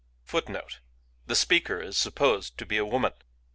^^ 1 The ipeaker it supposed to be a woman.